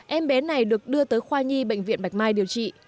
em bé này được đưa tới khoa nhi bệnh viện bạch mai điều trị